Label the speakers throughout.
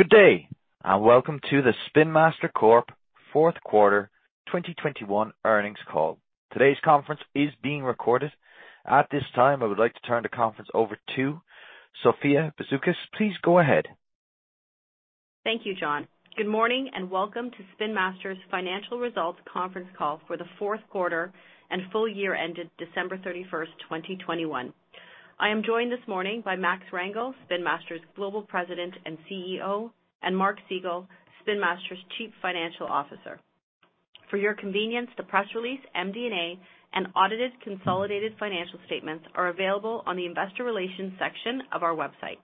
Speaker 1: Good day, and welcome to the Spin Master Corp. fourth quarter 2021 earnings call. Today's conference is being recorded. At this time, I would like to turn the conference over to Sophia Bisoukis. Please go ahead.
Speaker 2: Thank you, John. Good morning, and welcome to Spin Master's financial results conference call for the fourth quarter and full year ended December 31, 2021. I am joined this morning by Max Rangel, Spin Master's Global President and CEO, and Mark Segal, Spin Master's Chief Financial Officer. For your convenience, the press release, MD&A, and audited consolidated financial statements are available on the investor relations section of our website.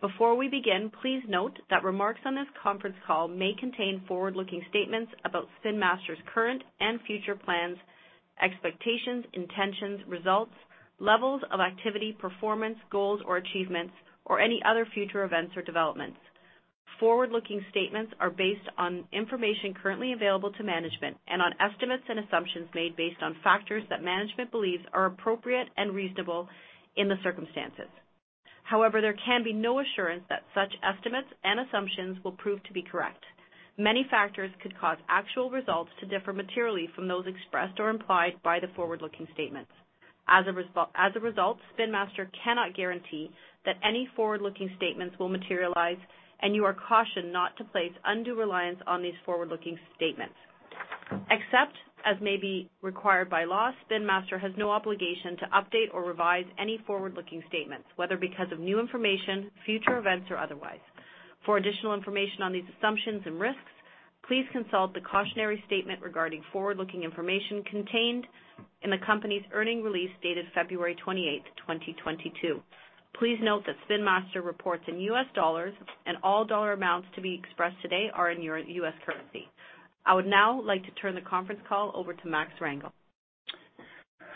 Speaker 2: Before we begin, please note that remarks on this conference call may contain forward-looking statements about Spin Master's current and future plans, expectations, intentions, results, levels of activity, performance, goals or achievements, or any other future events or developments. Forward-looking statements are based on information currently available to management and on estimates and assumptions made based on factors that management believes are appropriate and reasonable in the circumstances. However, there can be no assurance that such estimates and assumptions will prove to be correct. Many factors could cause actual results to differ materially from those expressed or implied by the forward-looking statements. As a result, Spin Master cannot guarantee that any forward-looking statements will materialize, and you are cautioned not to place undue reliance on these forward-looking statements. Except as may be required by law, Spin Master has no obligation to update or revise any forward-looking statements, whether because of new information, future events, or otherwise. For additional information on these assumptions and risks, please consult the cautionary statement regarding forward-looking information contained in the company's earnings release dated February 28, 2022. Please note that Spin Master reports in U.S. dollars and all dollar amounts to be expressed today are in U.S. currency. I would now like to turn the conference call over to Max Rangel.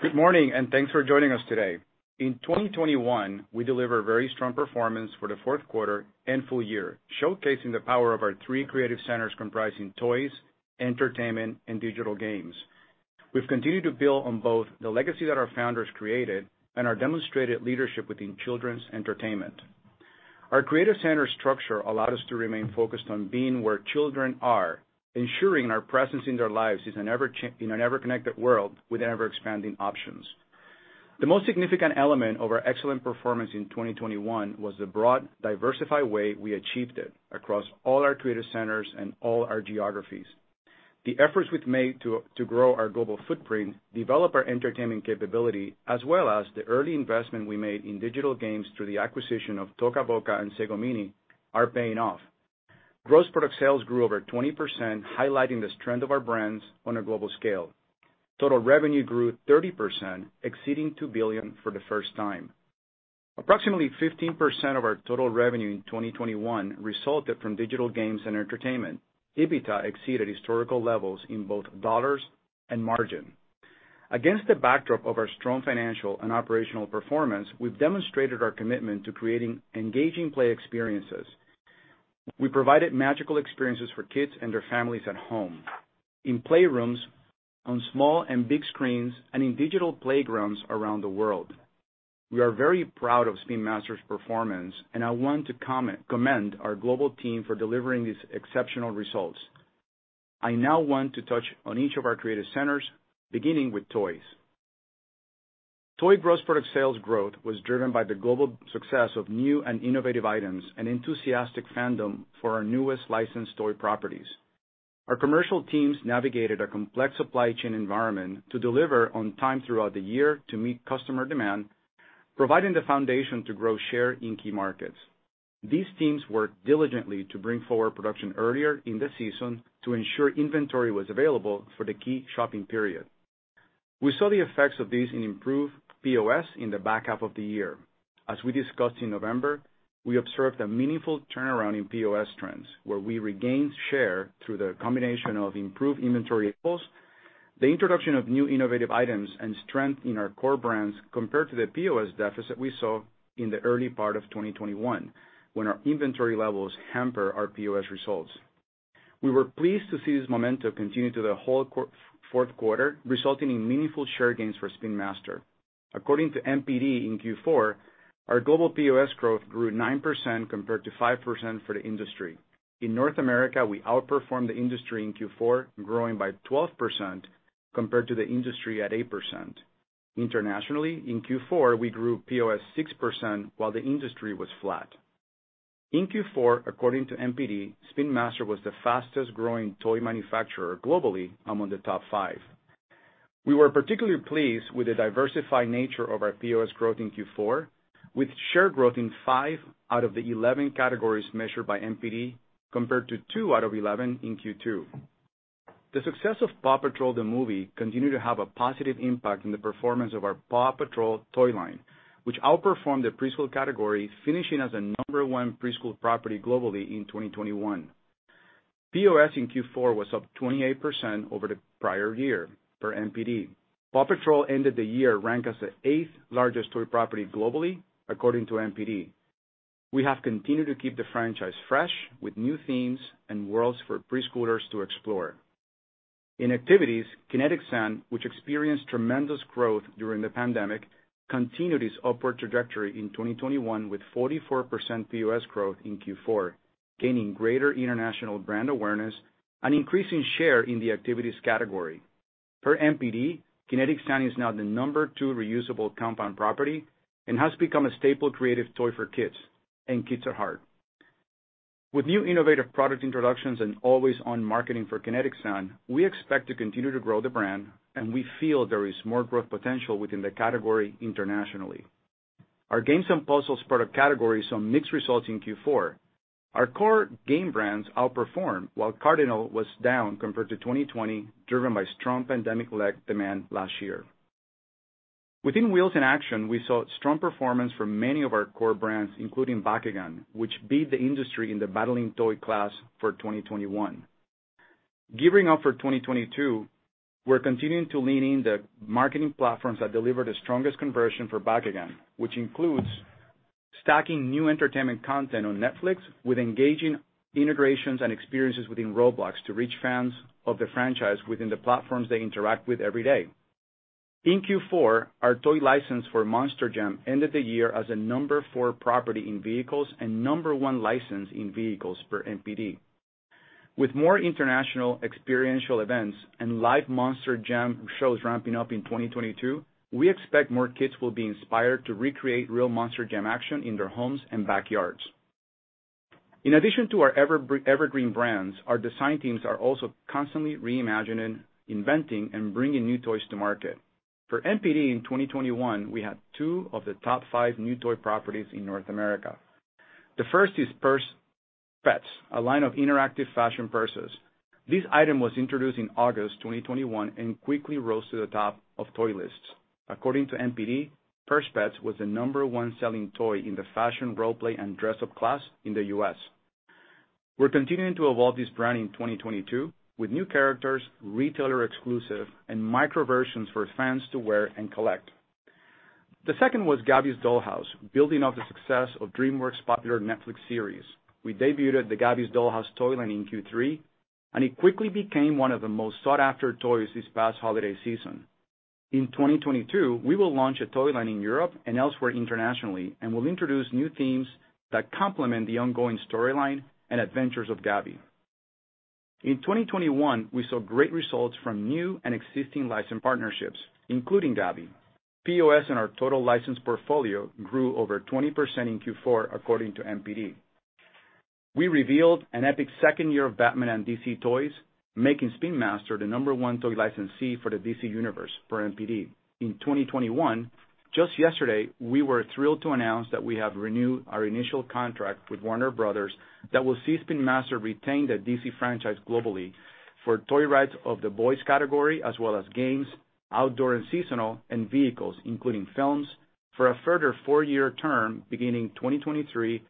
Speaker 3: Good morning, and thanks for joining us today. In 2021, we delivered very strong performance for the fourth quarter and full year, showcasing the power of our three creative centers comprising toys, entertainment, and digital games. We've continued to build on both the legacy that our founders created and our demonstrated leadership within children's entertainment. Our creative center structure allowed us to remain focused on being where children are, ensuring our presence in their lives is in an ever-connected world with ever-expanding options. The most significant element of our excellent performance in 2021 was the broad, diversified way we achieved it across all our creative centers and all our geographies. The efforts we've made to grow our global footprint, develop our entertainment capability, as well as the early investment we made in digital games through the acquisition of Toca Boca and Sago Mini are paying off. Gross product sales grew over 20%, highlighting the strength of our brands on a global scale. Total revenue grew 30%, exceeding $2 billion for the first time. Approximately 15% of our total revenue in 2021 resulted from digital games and entertainment. EBITDA exceeded historical levels in both dollars and margin. Against the backdrop of our strong financial and operational performance, we've demonstrated our commitment to creating engaging play experiences. We provided magical experiences for kids and their families at home, in playrooms, on small and big screens, and in digital playgrounds around the world. We are very proud of Spin Master's performance, and I want to commend our global team for delivering these exceptional results. I now want to touch on each of our creative centers, beginning with toys. Toy gross product sales growth was driven by the global success of new and innovative items and enthusiastic fandom for our newest licensed toy properties. Our commercial teams navigated a complex supply chain environment to deliver on time throughout the year to meet customer demand, providing the foundation to grow share in key markets. These teams worked diligently to bring forward production earlier in the season to ensure inventory was available for the key shopping period. We saw the effects of these in improved POS in the back half of the year. As we discussed in November, we observed a meaningful turnaround in POS trends, where we regained share through the combination of improved inventory, the introduction of new innovative items, and strength in our core brands compared to the POS deficit we saw in the early part of 2021, when our inventory levels hampered our POS results. We were pleased to see this momentum continue through the whole fourth quarter, resulting in meaningful share gains for Spin Master. According to NPD in Q4, our global POS growth grew 9% compared to 5% for the industry. In North America, we outperformed the industry in Q4, growing by 12% compared to the industry at 8%. Internationally, in Q4, we grew POS 6% while the industry was flat. In Q4, according to NPD, Spin Master was the fastest-growing toy manufacturer globally among the top five. We were particularly pleased with the diversified nature of our POS growth in Q4, with share growth in 5 out of the 11 categories measured by NPD, compared to 2 out of 11 in Q2. The success of PAW Patrol: The Movie continued to have a positive impact in the performance of our PAW Patrol toy line, which outperformed the preschool category, finishing as the number one preschool property globally in 2021. POS in Q4 was up 28% over the prior year for NPD. PAW Patrol ended the year ranked as the eighth largest toy property globally, according to NPD. We have continued to keep the franchise fresh with new themes and worlds for preschoolers to explore. In activities, Kinetic Sand, which experienced tremendous growth during the pandemic, continued its upward trajectory in 2021 with 44% POS growth in Q4, gaining greater international brand awareness and increasing share in the activities category. Per NPD, Kinetic Sand is now the number two reusable compound property and has become a staple creative toy for kids and kids at heart. With new innovative product introductions and always on marketing for Kinetic Sand, we expect to continue to grow the brand, and we feel there is more growth potential within the category internationally. Our games and puzzles product categories saw mixed results in Q4. Our core game brands outperformed, while Cardinal was down compared to 2020, driven by strong pandemic-led demand last year. Within Wheels in Action, we saw strong performance from many of our core brands, including Bakugan, which beat the industry in the battling toy class for 2021. Gearing up for 2022, we're continuing to lean in the marketing platforms that deliver the strongest conversion for Bakugan, which includes stacking new entertainment content on Netflix with engaging integrations and experiences within Roblox to reach fans of the franchise within the platforms they interact with every day. In Q4, our toy license for Monster Jam ended the year as a number four property in vehicles and number one license in vehicles for NPD. With more international experiential events and live Monster Jam shows ramping up in 2022, we expect more kids will be inspired to recreate real Monster Jam action in their homes and backyards. In addition to our evergreen brands, our design teams are also constantly reimagining, inventing, and bringing new toys to market. For NPD in 2021, we had two of the top five new toy properties in North America. The first is Purse Pets, a line of interactive fashion purses. This item was introduced in August 2021 and quickly rose to the top of toy lists. According to NPD, Purse Pets was the number one selling toy in the fashion role-play and dress-up class in the U.S. We're continuing to evolve this brand in 2022 with new characters, retailer exclusive, and micro versions for fans to wear and collect. The second was Gabby's Dollhouse. Building off the success of DreamWorks' popular Netflix series, we debuted the Gabby's Dollhouse toy line in Q3, and it quickly became one of the most sought-after toys this past holiday season. In 2022, we will launch a toy line in Europe and elsewhere internationally, and we'll introduce new themes that complement the ongoing storyline and adventures of Gabby. In 2021, we saw great results from new and existing licensed partnerships, including Gabby. POS in our total license portfolio grew over 20% in Q4, according to NPD. We revealed an epic second year of Batman and DC toys, making Spin Master the number one toy licensee for the DC universe per NPD. In 2021, just yesterday, we were thrilled to announce that we have renewed our initial contract with Warner Bros. that will see Spin Master retain the DC franchise globally for toy rights of the boys category, as well as games, outdoor and seasonal, and vehicles, including films, for a further four-year term beginning 2023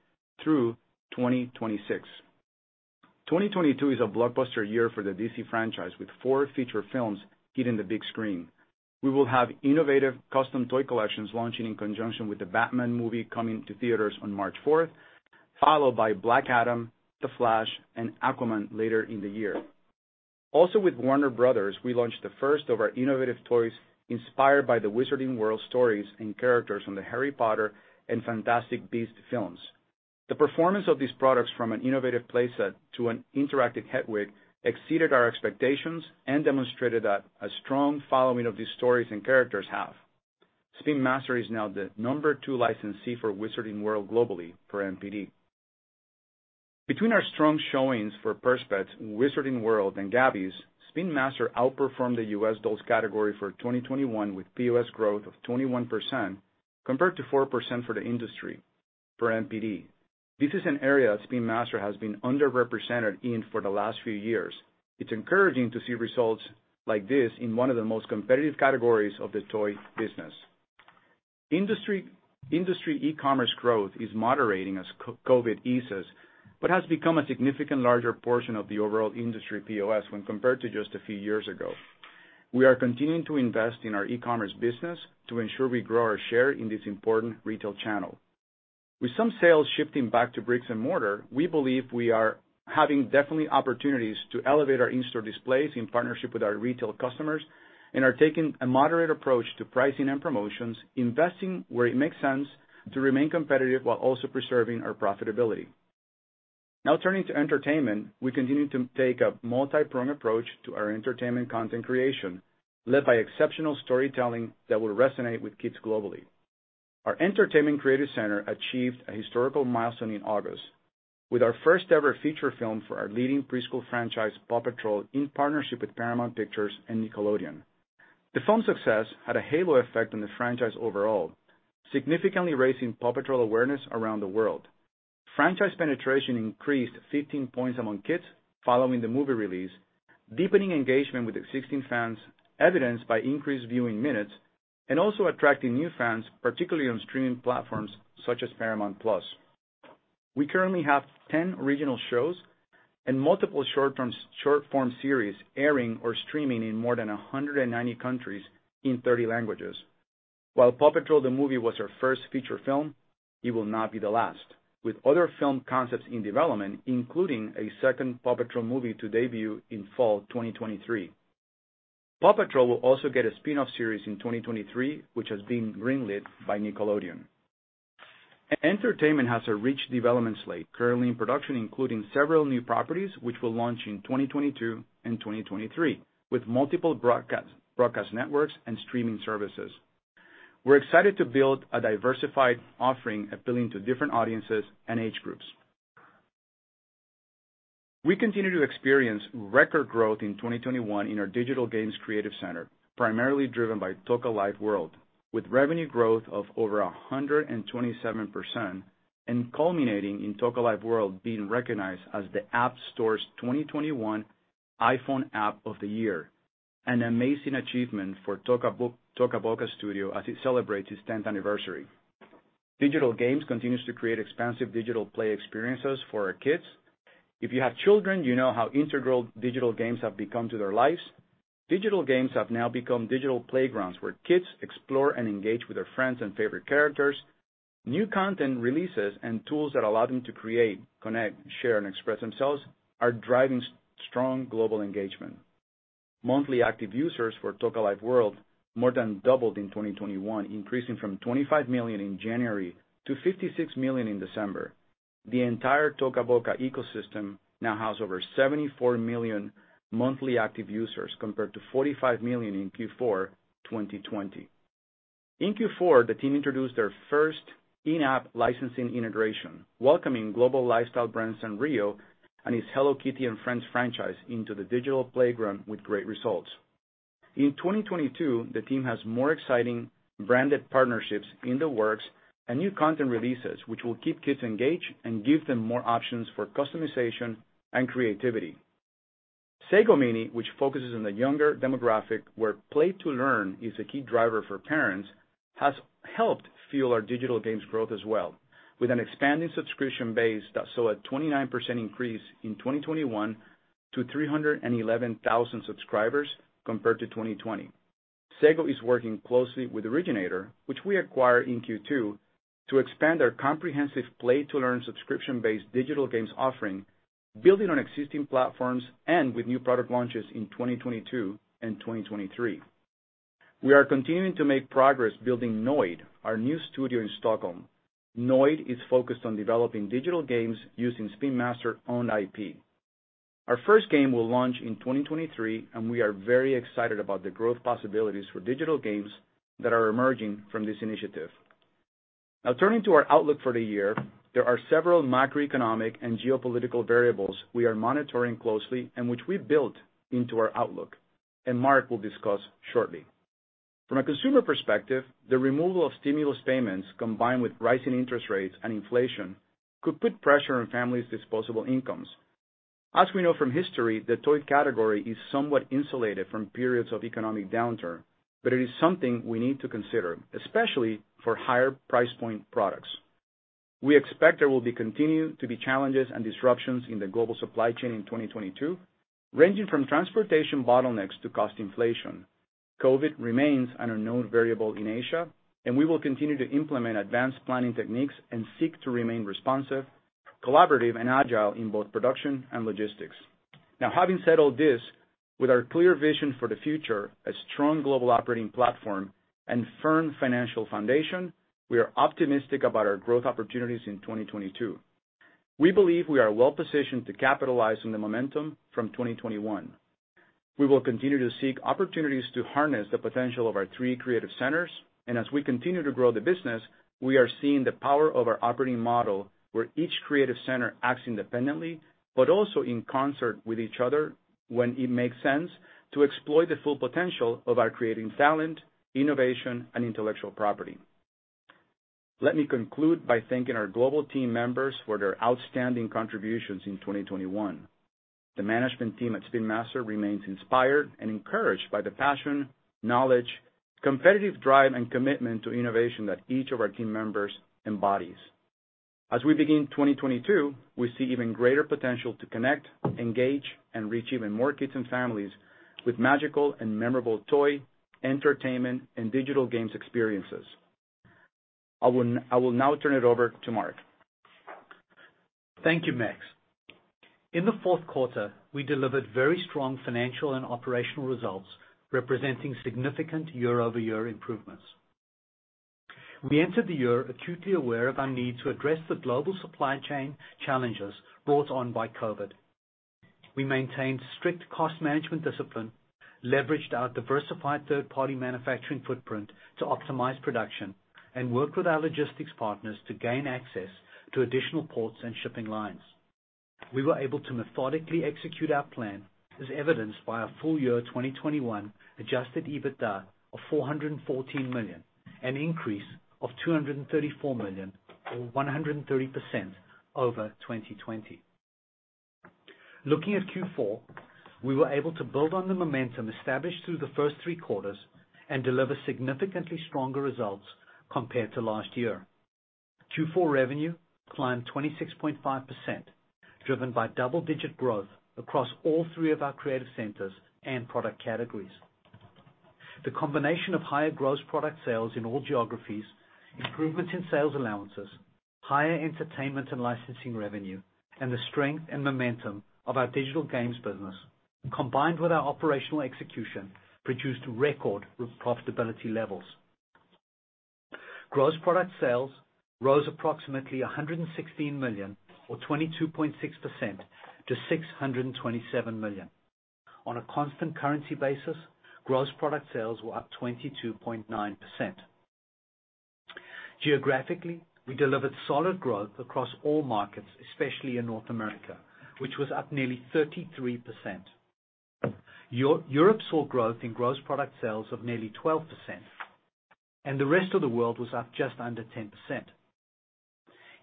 Speaker 3: through 2026. 2022 is a blockbuster year for the DC franchise, with four feature films hitting the big screen. We will have innovative custom toy collections launching in conjunction with the Batman movie coming to theaters on March fourth, followed by Black Adam, The Flash, and Aquaman later in the year. Also, with Warner Bros., we launched the first of our innovative toys inspired by the Wizarding World stories and characters from the Harry Potter and Fantastic Beasts films. The performance of these products from an innovative play set to an interactive Hedwig exceeded our expectations and demonstrated that a strong following of these stories and characters have. Spin Master is now the number two licensee for Wizarding World globally for NPD. Between our strong showings for Purse Pets, Wizarding World, and Gabby's, Spin Master outperformed the U.S. dolls category for 2021 with POS growth of 21% compared to 4% for the industry per NPD. This is an area Spin Master has been underrepresented in for the last few years. It's encouraging to see results like this in one of the most competitive categories of the toy business. Industry e-commerce growth is moderating as COVID eases, but has become a significantly larger portion of the overall industry POS when compared to just a few years ago. We are continuing to invest in our e-commerce business to ensure we grow our share in this important retail channel. With some sales shifting back to bricks and mortar, we believe we are definitely having opportunities to elevate our in-store displays in partnership with our retail customers and are taking a moderate approach to pricing and promotions, investing where it makes sense to remain competitive while also preserving our profitability. Now turning to entertainment, we continue to take a multipronged approach to our entertainment content creation, led by exceptional storytelling that will resonate with kids globally. Our entertainment creative center achieved a historic milestone in August with our first-ever feature film for our leading preschool franchise, PAW Patrol, in partnership with Paramount Pictures and Nickelodeon. The film's success had a halo effect on the franchise overall, significantly raising PAW Patrol awareness around the world. Franchise penetration increased 15 points among kids following the movie release, deepening engagement with existing fans, evidenced by increased viewing minutes, and also attracting new fans, particularly on streaming platforms such as Paramount+. We currently have 10 regional shows and multiple short-form series airing or streaming in more than 190 countries in 30 languages. Paw Patrol: The Movie was our first feature film, it will not be the last, with other film concepts in development, including a second Paw Patrol movie to debut in fall 2023. Paw Patrol will also get a spin-off series in 2023, which has been green-lit by Nickelodeon. Entertainment has a rich development slate currently in production, including several new properties which will launch in 2022 and 2023, with multiple broadcast networks and streaming services. We're excited to build a diversified offering appealing to different audiences and age groups. We continue to experience record growth in 2021 in our digital games creative center, primarily driven by Toca Life World, with revenue growth of over 127%, and culminating in Toca Life World being recognized as the App Store's 2021 iPhone App of the Year, an amazing achievement for Toca Boca as it celebrates its 10th anniversary. Digital games continues to create expansive digital play experiences for our kids. If you have children, you know how integral digital games have become to their lives. Digital games have now become digital playgrounds where kids explore and engage with their friends and favorite characters. New content releases and tools that allow them to create, connect, share, and express themselves are driving strong global engagement. Monthly active users for Toca Life World more than doubled in 2021, increasing from 25 million in January to 56 million in December. The entire Toca Boca ecosystem now has over 74 million monthly active users, compared to 45 million in Q4 2020. In Q4, the team introduced their first in-app licensing integration, welcoming global lifestyle brand Sanrio and its Hello Kitty and Friends franchise into the digital playground with great results. In 2022, the team has more exciting branded partnerships in the works and new content releases, which will keep kids engaged and give them more options for customization and creativity. Sago Mini, which focuses on the younger demographic, where play-to-learn is a key driver for parents, has helped fuel our digital games growth as well, with an expanding subscription base that saw a 29% increase in 2021 to 311,000 subscribers compared to 2020. Sago is working closely with Originator, which we acquired in Q2, to expand our comprehensive play-to-learn subscription-based digital games offering, building on existing platforms and with new product launches in 2022 and 2023. We are continuing to make progress building Noid, our new studio in Stockholm. Noid is focused on developing digital games using Spin Master-owned IP. Our first game will launch in 2023, and we are very excited about the growth possibilities for digital games that are emerging from this initiative. Now turning to our outlook for the year, there are several macroeconomic and geopolitical variables we are monitoring closely and which we've built into our outlook, and Mark will discuss shortly. From a consumer perspective, the removal of stimulus payments, combined with rising interest rates and inflation, could put pressure on families' disposable incomes. As we know from history, the toy category is somewhat insulated from periods of economic downturn, but it is something we need to consider, especially for higher price point products. We expect there will continue to be challenges and disruptions in the global supply chain in 2022, ranging from transportation bottlenecks to cost inflation. COVID remains an unknown variable in Asia, and we will continue to implement advanced planning techniques and seek to remain responsive, collaborative, and agile in both production and logistics. Now, having said all this, with our clear vision for the future, a strong global operating platform, and firm financial foundation, we are optimistic about our growth opportunities in 2022. We believe we are well-positioned to capitalize on the momentum from 2021. We will continue to seek opportunities to harness the potential of our three creative centers, and as we continue to grow the business, we are seeing the power of our operating model where each creative center acts independently, but also in concert with each other when it makes sense to exploit the full potential of our creative talent, innovation, and intellectual property. Let me conclude by thanking our global team members for their outstanding contributions in 2021. The management team at Spin Master remains inspired and encouraged by the passion, knowledge, competitive drive, and commitment to innovation that each of our team members embodies. As we begin 2022, we see even greater potential to connect, engage, and reach even more kids and families with magical and memorable toy, entertainment, and digital games experiences. I will now turn it over to Mark.
Speaker 4: Thank you, Max. In the fourth quarter, we delivered very strong financial and operational results, representing significant year-over-year improvements. We entered the year acutely aware of our need to address the global supply chain challenges brought on by COVID. We maintained strict cost management discipline, leveraged our diversified third-party manufacturing footprint to optimize production, and worked with our logistics partners to gain access to additional ports and shipping lines. We were able to methodically execute our plan, as evidenced by our full year 2021 adjusted EBITDA of $414 million, an increase of $234 million, or 130% over 2020. Looking at Q4, we were able to build on the momentum established through the first three quarters and deliver significantly stronger results compared to last year. Q4 revenue climbed 26.5%, driven by double-digit growth across all three of our creative centers and product categories. The combination of higher gross product sales in all geographies, improvements in sales allowances, higher entertainment and licensing revenue, and the strength and momentum of our digital games business, combined with our operational execution, produced record profitability levels. Gross product sales rose approximately $116 million or 22.6% to $627 million. On a constant currency basis, gross product sales were up 22.9%. Geographically, we delivered solid growth across all markets, especially in North America, which was up nearly 33%. Europe saw growth in gross product sales of nearly 12%, and the rest of the world was up just under 10%.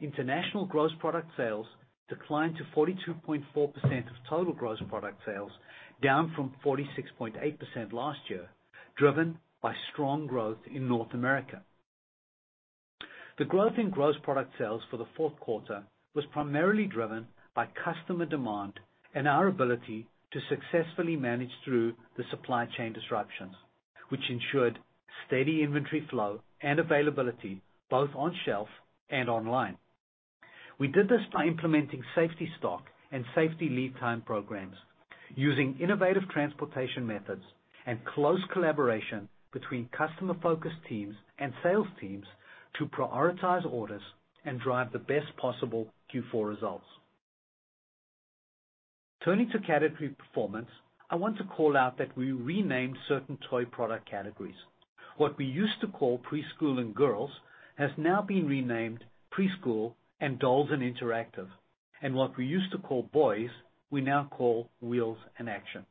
Speaker 4: International gross product sales declined to 42.4% of total gross product sales, down from 46.8% last year, driven by strong growth in North America. The growth in gross product sales for the fourth quarter was primarily driven by customer demand and our ability to successfully manage through the supply chain disruptions, which ensured steady inventory flow and availability, both on shelf and online. We did this by implementing safety stock and safety lead time programs using innovative transportation methods and close collaboration between customer focus teams and sales teams to prioritize orders and drive the best possible Q4 results. Turning to category performance, I want to call out that we renamed certain toy product categories. What we used to call Preschool & Girls has now been renamed Preschool & Dolls & Interactive. What we used to call Boys, we now call Wheels in Action.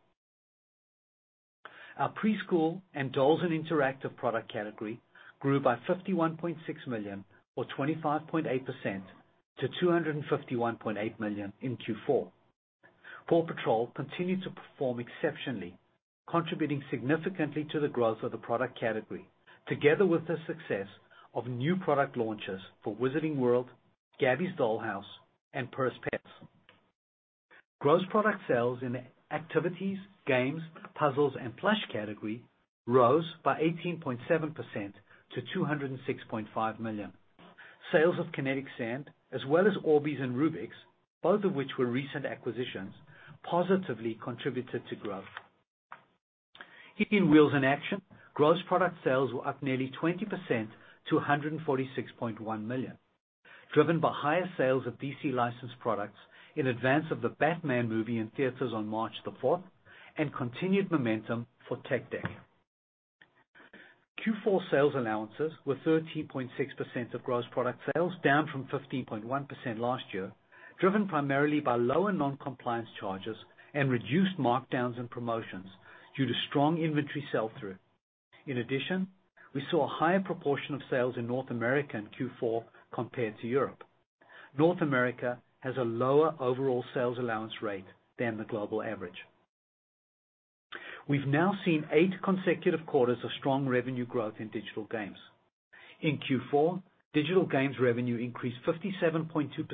Speaker 4: Our Preschool & Dolls & Interactive product category grew by $51.6 million or 25.8% to $251.8 million in Q4. PAW Patrol continued to perform exceptionally, contributing significantly to the growth of the product category, together with the success of new product launches for Wizarding World, Gabby's Dollhouse, and Purse Pets. Gross product sales in the activities, games, puzzles, and plush category rose by 18.7% to $206.5 million. Sales of Kinetic Sand as well as Orbeez and Rubik's, both of which were recent acquisitions, positively contributed to growth. In Wheels in Action, gross product sales were up nearly 20% to $146.1 million, driven by higher sales of DC licensed products in advance of the Batman movie in theaters on March the fourth, and continued momentum for Tech Deck. Q4 sales allowances were 13.6% of gross product sales, down from 15.1% last year, driven primarily by lower non-compliance charges and reduced markdowns and promotions due to strong inventory sell-through. In addition, we saw a higher proportion of sales in North America in Q4 compared to Europe. North America has a lower overall sales allowance rate than the global average. We've now seen eight consecutive quarters of strong revenue growth in digital games. In Q4, digital games revenue increased 57.2% to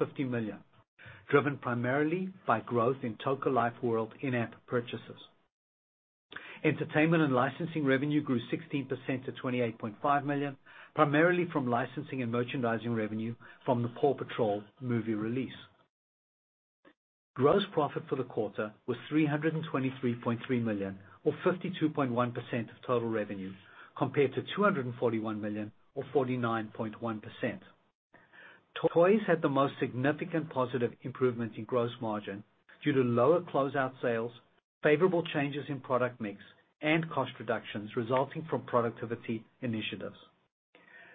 Speaker 4: $50 million, driven primarily by growth in Toca Life World in-app purchases. Entertainment and licensing revenue grew 16% to $28.5 million, primarily from licensing and merchandising revenue from the PAW Patrol movie release. Gross profit for the quarter was $323.3 million or 52.1% of total revenue compared to $241 million or 49.1%. Toys had the most significant positive improvement in gross margin due to lower closeout sales, favorable changes in product mix, and cost reductions resulting from productivity initiatives.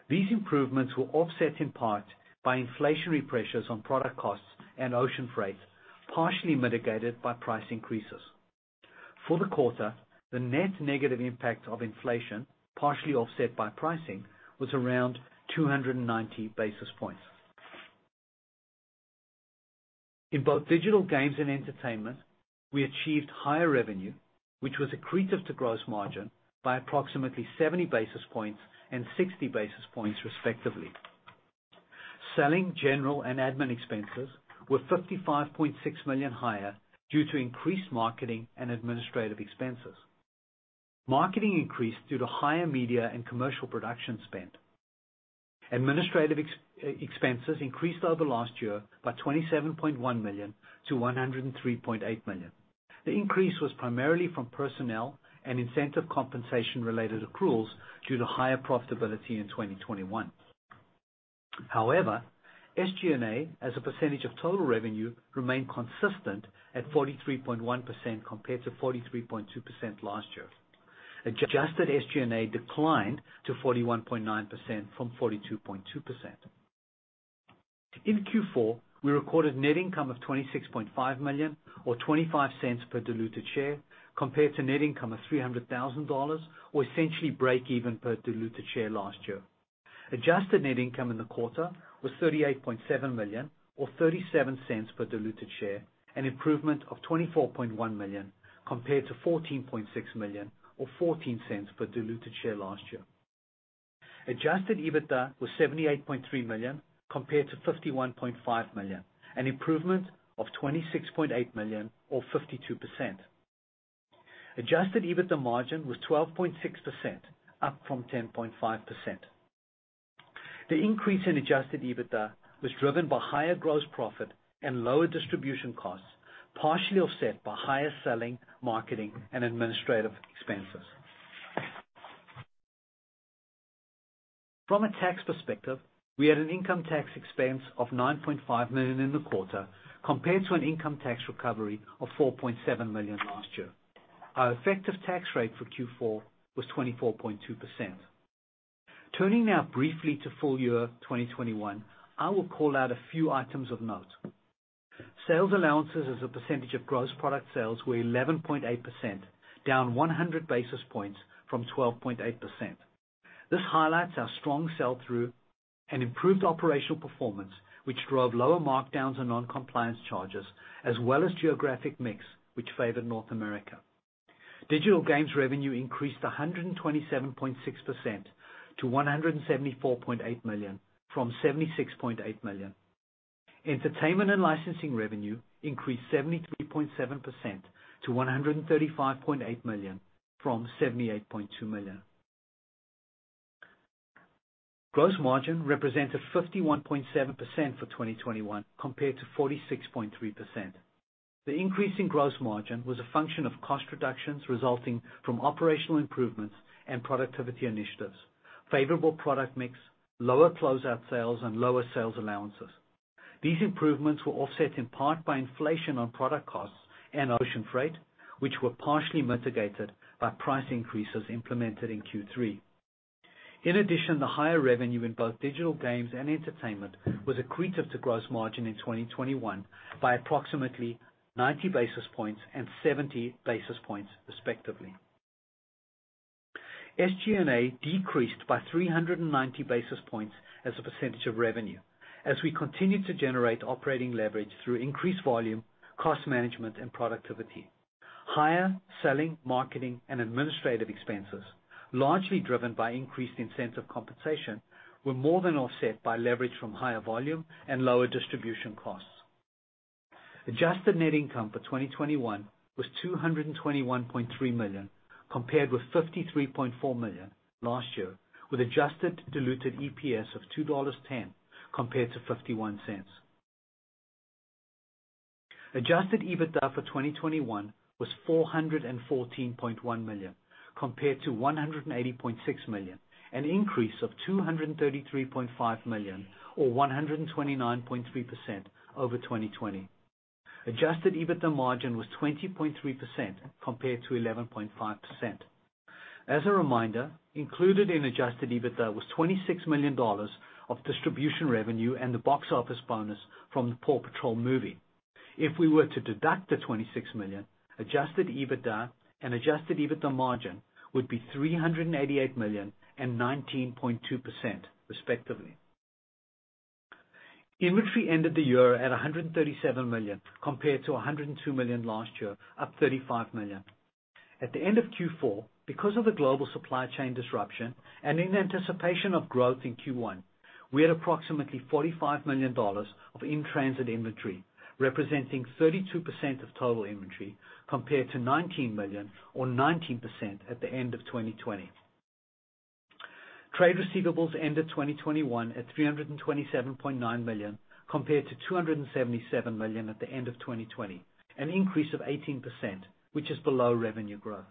Speaker 4: These improvements were offset in part by inflationary pressures on product costs and ocean freight, partially mitigated by price increases. For the quarter, the net negative impact of inflation, partially offset by pricing, was around 290 basis points. In both digital games and entertainment, we achieved higher revenue, which was accretive to gross margin by approximately 70 basis points and 60 basis points, respectively. Selling, general, and admin expenses were $55.6 million higher due to increased marketing and administrative expenses. Marketing increased due to higher media and commercial production spend. Administrative expenses increased over last year by $27.1 million-$103.8 million. The increase was primarily from personnel and incentive compensation related accruals due to higher profitability in 2021. However, SG&A, as a percentage of total revenue, remained consistent at 43.1% compared to 43.2% last year. Adjusted SG&A declined to 41.9% from 42.2%. In Q4, we recorded net income of $26.5 million or $0.25 per diluted share, compared to net income of $300,000 or essentially break even per diluted share last year. Adjusted net income in the quarter was $38.7 million or $0.37 per diluted share, an improvement of $24.1 million compared to $14.6 million or $0.14 per diluted share last year. Adjusted EBITDA was $78.3 million compared to $51.5 million, an improvement of $26.8 million or 52%. Adjusted EBITDA margin was 12.6%, up from 10.5%. The increase in adjusted EBITDA was driven by higher gross profit and lower distribution costs, partially offset by higher selling, marketing and administrative expenses. From a tax perspective, we had an income tax expense of $9.5 million in the quarter compared to an income tax recovery of $4.7 million last year. Our effective tax rate for Q4 was 24.2%. Turning now briefly to full year 2021, I will call out a few items of note. Sales allowances as a percentage of gross product sales were 11.8%, down 100 basis points from 12.8%. This highlights our strong sell-through and improved operational performance, which drove lower markdowns and non-compliance charges as well as geographic mix, which favored North America. Digital games revenue increased 127.6% to $174.8 million from $76.8 million. Entertainment and licensing revenue increased 73.7% to $135.8 million from $78.2 million. Gross margin represented 51.7% for 2021 compared to 46.3%. The increase in gross margin was a function of cost reductions resulting from operational improvements and productivity initiatives, favorable product mix, lower closeout sales, and lower sales allowances. These improvements were offset in part by inflation on product costs and ocean freight, which were partially mitigated by price increases implemented in Q3. In addition, the higher revenue in both digital games and entertainment was accretive to gross margin in 2021 by approximately 90 basis points and 70 basis points, respectively. SG&A decreased by 390 basis points as a percentage of revenue as we continued to generate operating leverage through increased volume, cost management and productivity. Higher selling, marketing and administrative expenses, largely driven by increased incentive compensation, were more than offset by leverage from higher volume and lower distribution costs. Adjusted net income for 2021 was $221.3 million compared with $53.4 million last year, with adjusted diluted EPS of $2.10 compared to $0.51. Adjusted EBITDA for 2021 was $414.1 million compared to $180.6 million, an increase of $233.5 million or 129.3% over 2020. Adjusted EBITDA margin was 20.3% compared to 11.5%. As a reminder, included in adjusted EBITDA was $26 million of distribution revenue and the box office bonus from the PAW Patrol movie. If we were to deduct the $26 million, adjusted EBITDA and adjusted EBITDA margin would be $388 million and 19.2%, respectively. Inventory ended the year at $137 million compared to $102 million last year, up $35 million. At the end of Q4, because of the global supply chain disruption and in anticipation of growth in Q1, we had approximately $45 million of in-transit inventory, representing 32% of total inventory, compared to $19 million or 19% at the end of 2020. Trade receivables ended 2021 at $327.9 million, compared to $277 million at the end of 2020, an increase of 18%, which is below revenue growth.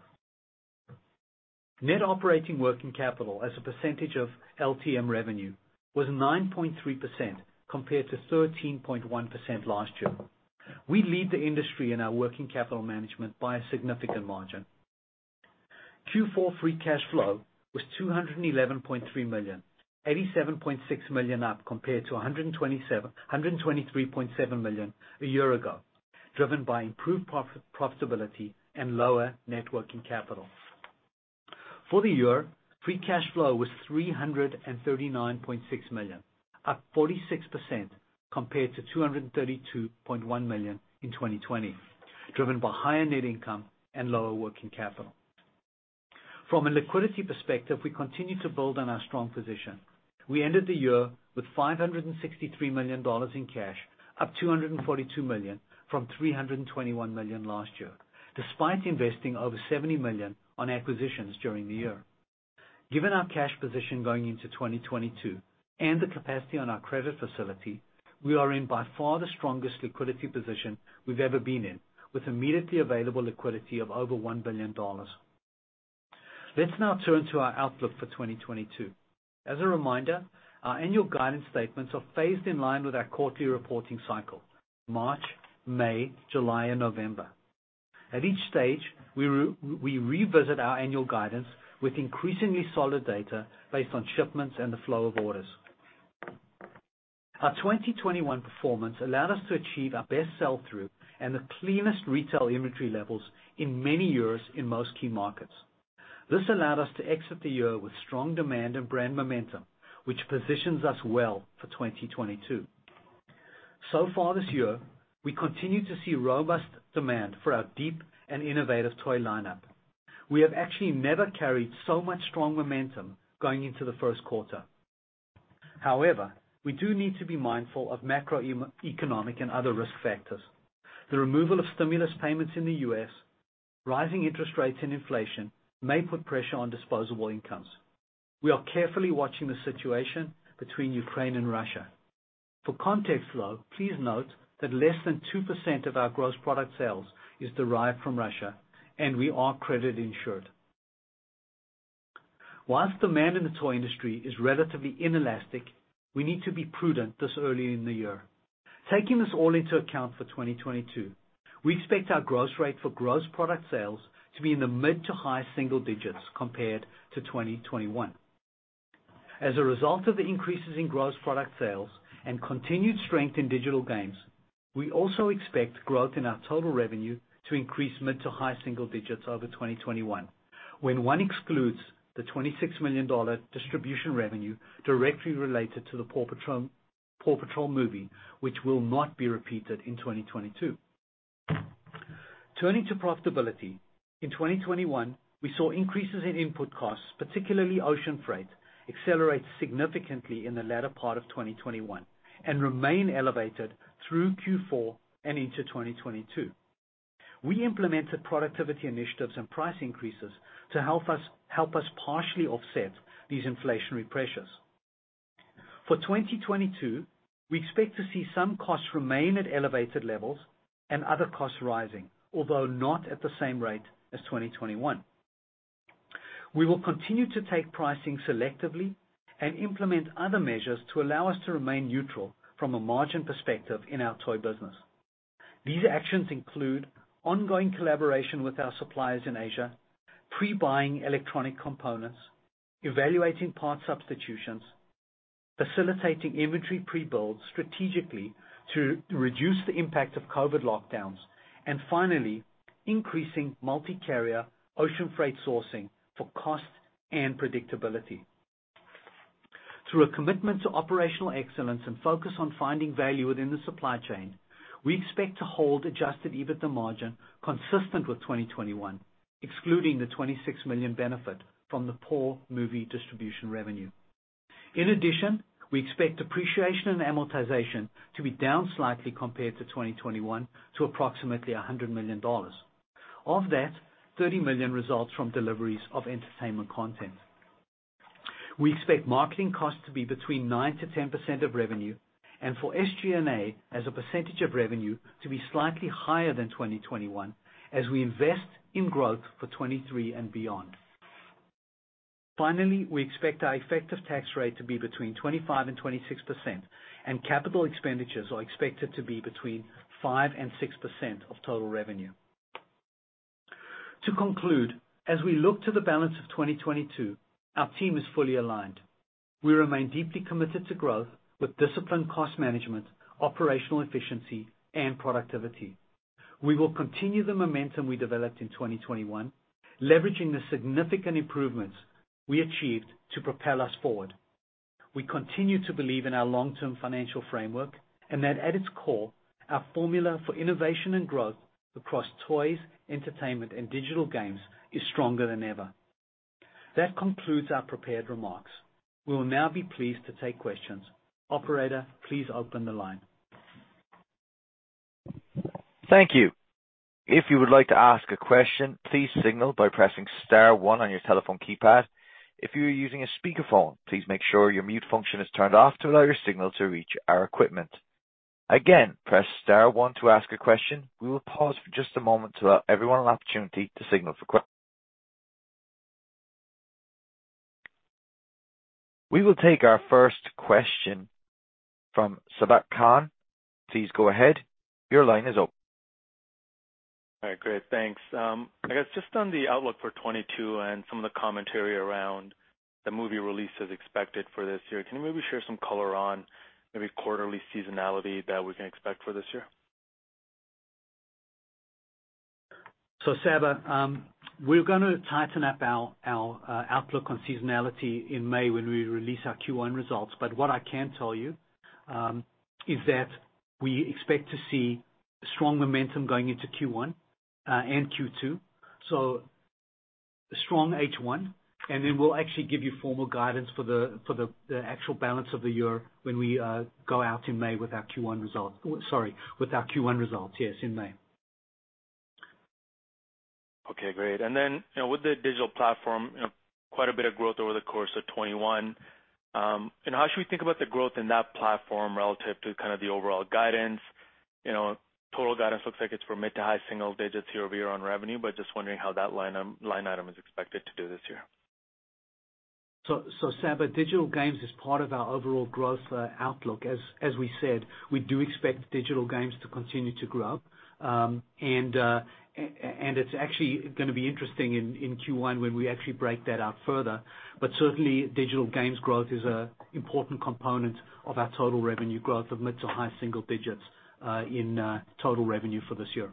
Speaker 4: Net operating working capital as a percentage of LTM revenue was 9.3% compared to 13.1% last year. We lead the industry in our working capital management by a significant margin. Q4 free cash flow was $211.3 million, $87.6 million up compared to $123.7 million a year ago, driven by improved profitability and lower net working capital. For the year, free cash flow was $339.6 million, up 46% compared to $232.1 million in 2020, driven by higher net income and lower working capital. From a liquidity perspective, we continue to build on our strong position. We ended the year with $563 million in cash, up $242 million from $321 million last year, despite investing over $70 million on acquisitions during the year. Given our cash position going into 2022 and the capacity on our credit facility, we are in by far the strongest liquidity position we've ever been in, with immediately available liquidity of over $1 billion. Let's now turn to our outlook for 2022. As a reminder, our annual guidance statements are phased in line with our quarterly reporting cycle, March, May, July, and November. At each stage, we revisit our annual guidance with increasingly solid data based on shipments and the flow of orders. Our 2021 performance allowed us to achieve our best sell-through and the cleanest retail inventory levels in many years in most key markets. This allowed us to exit the year with strong demand and brand momentum, which positions us well for 2022. So far this year, we continue to see robust demand for our deep and innovative toy lineup. We have actually never carried so much strong momentum going into the first quarter. However, we do need to be mindful of macroeconomic and other risk factors. The removal of stimulus payments in the U.S., rising interest rates and inflation may put pressure on disposable incomes. We are carefully watching the situation between Ukraine and Russia. For context, though, please note that less than 2% of our gross product sales is derived from Russia, and we are credit insured. While demand in the toy industry is relatively inelastic, we need to be prudent this early in the year. Taking this all into account for 2022, we expect our growth rate for gross product sales to be in the mid- to high-single digits% compared to 2021. As a result of the increases in gross product sales and continued strength in digital games, we also expect growth in our total revenue to increase mid- to high-single digits% over 2021 when one excludes the $26 million distribution revenue directly related to the PAW Patrol movie, which will not be repeated in 2022. Turning to profitability, in 2021, we saw increases in input costs, particularly ocean freight, accelerate significantly in the latter part of 2021 and remain elevated through Q4 and into 2022. We implemented productivity initiatives and price increases to help us partially offset these inflationary pressures. For 2022, we expect to see some costs remain at elevated levels and other costs rising, although not at the same rate as 2021. We will continue to take pricing selectively and implement other measures to allow us to remain neutral from a margin perspective in our toy business. These actions include ongoing collaboration with our suppliers in Asia, pre-buying electronic components, evaluating part substitutions, facilitating inventory pre-build strategically to reduce the impact of COVID lockdowns, and finally, increasing multi-carrier ocean freight sourcing for cost and predictability. Through a commitment to operational excellence and focus on finding value within the supply chain, we expect to hold adjusted EBITDA margin consistent with 2021, excluding the $26 million benefit from the PAW movie distribution revenue. In addition, we expect depreciation and amortization to be down slightly compared to 2021 to approximately $100 million. Of that, $30 million results from deliveries of entertainment content. We expect marketing costs to be between 9%-10% of revenue, and for SG&A, as a percentage of revenue, to be slightly higher than 2021 as we invest in growth for 2023 and beyond. Finally, we expect our effective tax rate to be between 25%-26%, and capital expenditures are expected to be between 5%-6% of total revenue. To conclude, as we look to the balance of 2022, our team is fully aligned. We remain deeply committed to growth with disciplined cost management, operational efficiency and productivity. We will continue the momentum we developed in 2021, leveraging the significant improvements we achieved to propel us forward. We continue to believe in our long-term financial framework and that at its core, our formula for innovation and growth across toys, entertainment, and digital games is stronger than ever. That concludes our prepared remarks. We will now be pleased to take questions. Operator, please open the line.
Speaker 1: Thank you. If you would like to ask a question, please signal by pressing star one on your telephone keypad. If you are using a speakerphone, please make sure your mute function is turned off to allow your signal to reach our equipment. Again, press star one to ask a question. We will pause for just a moment to allow everyone an opportunity to signal. We will take our first question from Sabahat Khan. Please go ahead. Your line is up.
Speaker 5: All right, great. Thanks. I guess just on the outlook for 2022 and some of the commentary around the movie release as expected for this year, can you maybe share some color on maybe quarterly seasonality that we can expect for this year?
Speaker 4: Sabahat, we're gonna tighten up our outlook on seasonality in May when we release our Q1 results. What I can tell you is that we expect to see strong momentum going into Q1 and Q2, so a strong H1, and then we'll actually give you formal guidance for the actual balance of the year when we go out in May with our Q1 results. Oh, sorry. With our Q1 results. Yes, in May.
Speaker 5: Okay, great. Then, you know, with the digital platform, you know, quite a bit of growth over the course of 2021, you know, how should we think about the growth in that platform relative to kind of the overall guidance? You know, total guidance looks like it's from mid- to high-single-digit % year-over-year on revenue, but just wondering how that line item is expected to do this year.
Speaker 4: Sabah, digital games is part of our overall growth outlook. As we said, we do expect digital games to continue to grow. It's actually gonna be interesting in Q1 when we actually break that out further. Certainly, digital games growth is a important component of our total revenue growth of mid- to high-single digits in total revenue for this year.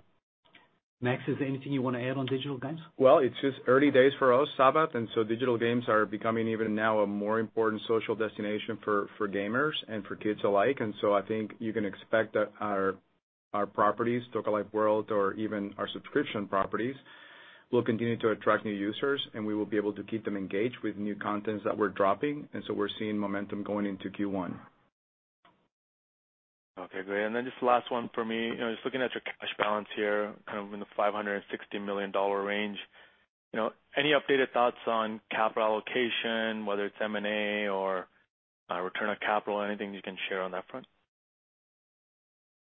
Speaker 4: Max, is there anything you want to add on digital games?
Speaker 3: Well, it's just early days for us, Sava. Digital games are becoming even now a more important social destination for gamers and for kids alike. I think you can expect that our properties, Toca Life World or even our subscription properties, will continue to attract new users, and we will be able to keep them engaged with new contents that we're dropping, and so we're seeing momentum going into Q1.
Speaker 5: Okay, great. Just last one for me. You know, just looking at your cash balance here, kind of in the $560 million range, you know, any updated thoughts on capital allocation, whether it's M&A or, return on capital, anything you can share on that front?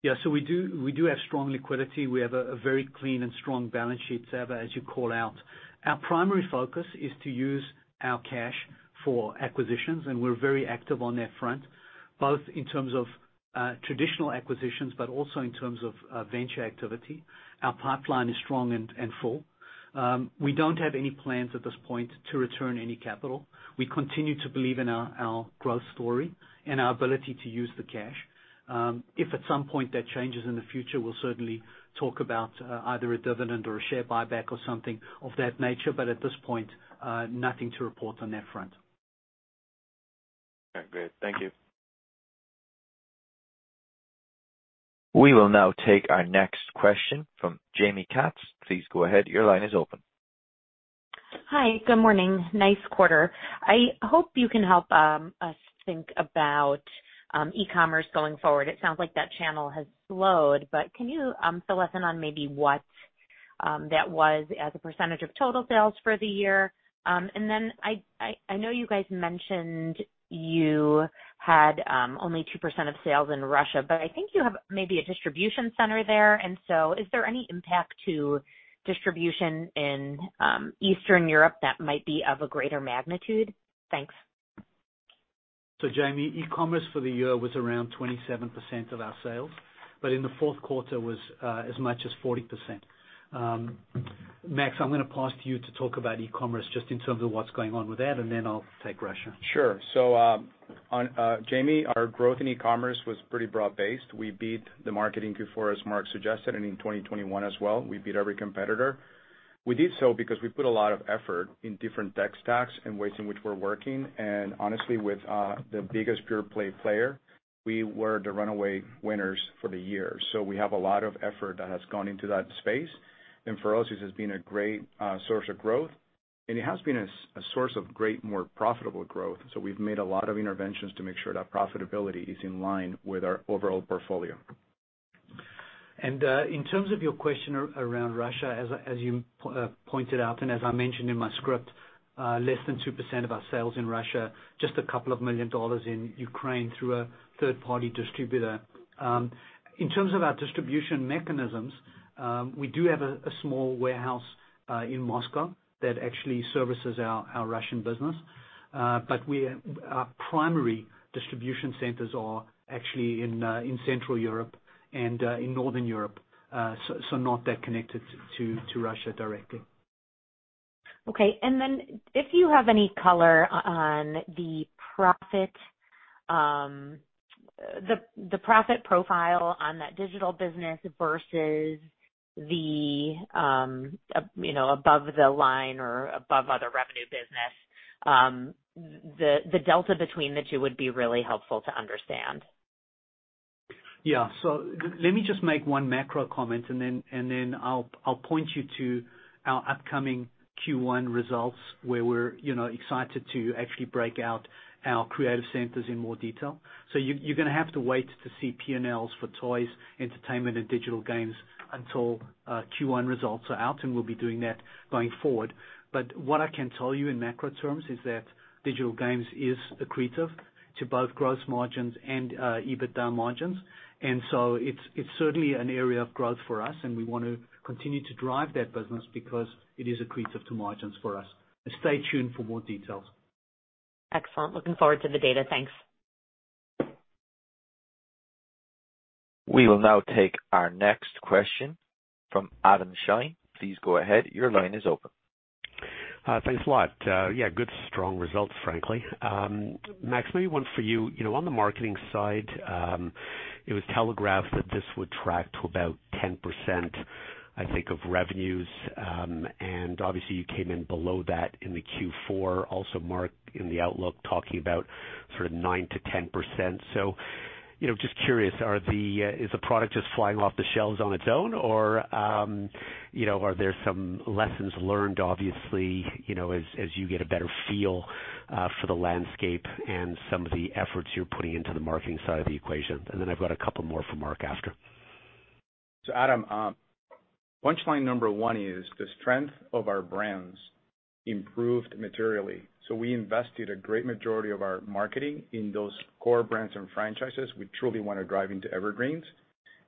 Speaker 4: Yeah. We do have strong liquidity. We have a very clean and strong balance sheet, Sava, as you call out. Our primary focus is to use our cash for acquisitions, and we're very active on that front, both in terms of traditional acquisitions but also in terms of venture activity. Our pipeline is strong and full. We don't have any plans at this point to return any capital. We continue to believe in our growth story and our ability to use the cash. If at some point that changes in the future, we'll certainly talk about either a dividend or a share buyback or something of that nature, but at this point, nothing to report on that front.
Speaker 5: Okay, great. Thank you.
Speaker 1: We will now take our next question from Jaime Katz. Please go ahead. Your line is open.
Speaker 6: Hi. Good morning. Nice quarter. I hope you can help us think about e-commerce going forward. It sounds like that channel has slowed, but can you fill us in on maybe what that was as a percentage of total sales for the year? And then I know you guys mentioned you had only 2% of sales in Russia, but I think you have maybe a distribution center there. Is there any impact to distribution in Eastern Europe that might be of a greater magnitude? Thanks.
Speaker 4: Jamie, e-commerce for the year was around 27% of our sales, but in the fourth quarter was as much as 40%. Max, I'm gonna pass to you to talk about e-commerce just in terms of what's going on with that, and then I'll take Russia.
Speaker 3: Sure. On Jaime, our growth in e-commerce was pretty broad-based. We beat the market in Q4, as Mark suggested, and in 2021 as well. We beat every competitor. We did so because we put a lot of effort in different tech stacks and ways in which we're working, and honestly with the biggest pure play player, we were the runaway winners for the year. We have a lot of effort that has gone into that space. For us, this has been a great source of growth, and it has been a source of great more profitable growth, so we've made a lot of interventions to make sure that profitability is in line with our overall portfolio.
Speaker 4: In terms of your question around Russia, as you pointed out, and as I mentioned in my script, less than 2% of our sales in Russia, just $2 million in Ukraine through a third-party distributor. In terms of our distribution mechanisms, we do have a small warehouse in Moscow that actually services our Russian business. Our primary distribution centers are actually in Central Europe and in Northern Europe, so not that connected to Russia directly.
Speaker 6: Okay. If you have any color on the profit profile on that digital business versus the, you know, above the line or above other revenue business, the delta between the two would be really helpful to understand.
Speaker 4: Yeah. Let me just make one macro comment, and then I'll point you to our upcoming Q1 results, where we're excited to actually break out our creative centers in more detail. You're gonna have to wait to see P&Ls for toys, entertainment, and digital games until Q1 results are out, and we'll be doing that going forward. What I can tell you in macro terms is that digital games is accretive to both gross margins and EBITDA margins. It's certainly an area of growth for us, and we want to continue to drive that business because it is accretive to margins for us. Stay tuned for more details.
Speaker 6: Excellent. Looking forward to the data. Thanks.
Speaker 1: We will now take our next question from Adam Shine. Please go ahead. Your line is open.
Speaker 7: Thanks a lot. Yeah, good strong results, frankly. Max, maybe one for you. You know, on the marketing side, it was telegraphed that this would track to about 10%, I think, of revenues. And obviously, you came in below that in the Q4. Also, Mark, in the outlook, talking about sort of 9%-10%. You know, just curious, is the product just flying off the shelves on its own or, you know, are there some lessons learned, obviously, you know, as you get a better feel for the landscape and some of the efforts you're putting into the marketing side of the equation? Then I've got a couple more for Mark after.
Speaker 3: Adam Shine, punchline number one is the strength of our brands improved materially. We invested a great majority of our marketing in those core brands and franchises we truly wanna drive into evergreens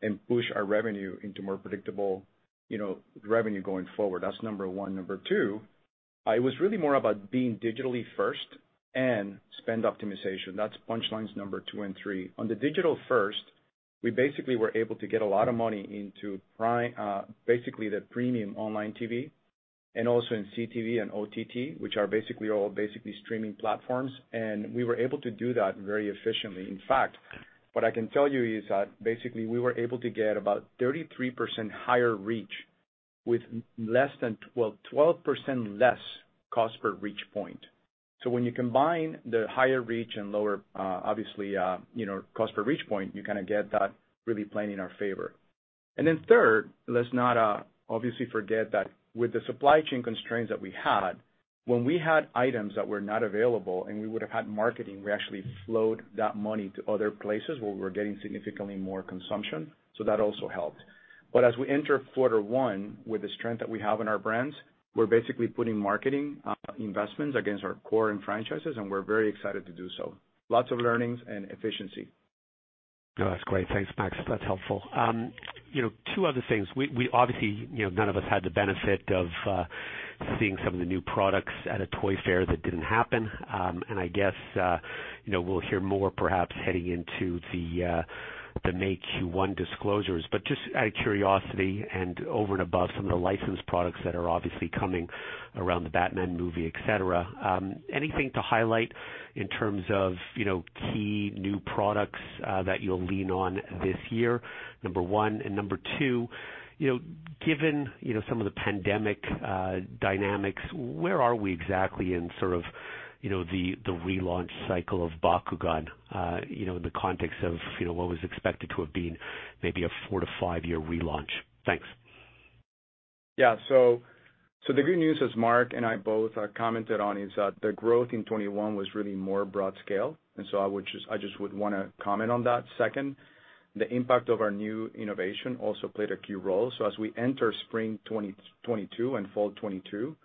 Speaker 3: and push our revenue into more predictable, you know, revenue going forward. That's number one. Number two, it was really more about being digitally first and spend optimization. That's punchlines number two and three. On the digital first, we basically were able to get a lot of money into basically the premium online TV. Also in CTV and OTT, which are basically all streaming platforms. We were able to do that very efficiently. In fact, what I can tell you is that basically we were able to get about 33% higher reach with less than well 12% less cost per reach point. When you combine the higher reach and lower, obviously, you know, cost per reach point, you kind of get that really playing in our favor. Third, let's not, obviously forget that with the supply chain constraints that we had, when we had items that were not available and we would have had marketing, we actually flowed that money to other places where we were getting significantly more consumption, so that also helped. As we enter quarter one with the strength that we have in our brands, we're basically putting marketing, investments against our core and franchises, and we're very excited to do so. Lots of learnings and efficiency.
Speaker 7: No, that's great. Thanks, Max. That's helpful. You know, two other things. We obviously, you know, none of us had the benefit of seeing some of the new products at a toy fair that didn't happen. And I guess, you know, we'll hear more perhaps heading into the May Q1 disclosures. But just out of curiosity and over and above some of the licensed products that are obviously coming around the Batman movie, etc, anything to highlight in terms of, you know, key new products that you'll lean on this year? Number one. Number two, you know, given, you know, some of the pandemic dynamics, where are we exactly in sort of, you know, the relaunch cycle of Bakugan, you know, in the context of, you know, what was expected to have been maybe a 4-5-year relaunch? Thanks.
Speaker 3: The good news, as Mark and I both commented on, is that the growth in 2021 was really more broad-based, and I would just want to comment on that. Second, the impact of our new innovation also played a key role. As we enter spring 2022 and fall 2022,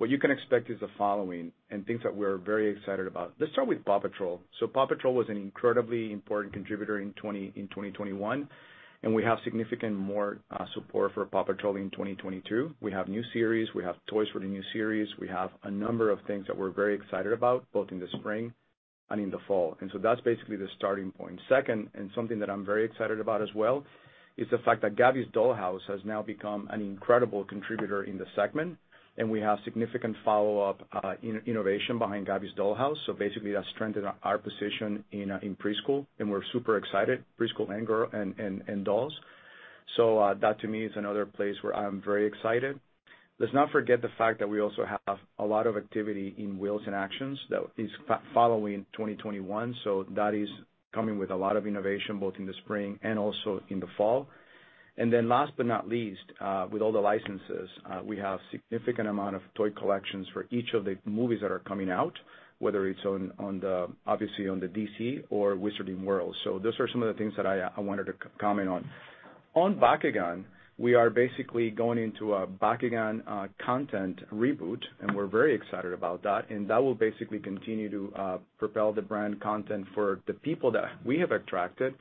Speaker 3: what you can expect is the following and things that we're very excited about. Let's start with PAW Patrol. PAW Patrol was an incredibly important contributor in 2021, and we have significantly more support for PAW Patrol in 2022. We have new series, we have toys for the new series. We have a number of things that we're very excited about, both in the spring and in the fall. That's basically the starting point. Second, something that I'm very excited about as well, is the fact that Gabby's Dollhouse has now become an incredible contributor in the segment, and we have significant follow-up, innovation behind Gabby's Dollhouse. Basically that strengthened our position in Preschool and we're super excited, Preschool and Girls and Dolls. That to me is another place where I'm very excited. Let's not forget the fact that we also have a lot of activity in Wheels in Action that is following 2021. That is coming with a lot of innovation both in the spring and also in the fall. Then last but not least, with all the licenses, we have significant amount of toy collections for each of the movies that are coming out, whether it's obviously on the DC or Wizarding World. Those are some of the things that I wanted to comment on. On Bakugan, we are basically going into a Bakugan content reboot, and we're very excited about that. That will basically continue to propel the brand content for the people that we have attracted,